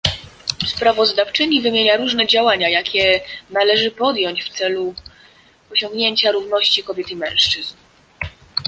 Sprawozdawczyni wymienia różne działania, jakie należy podjąć w celu osiągnięcia równości kobiet i mężczyzn